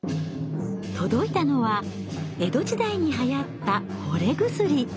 届いたのは江戸時代にはやった惚れ薬。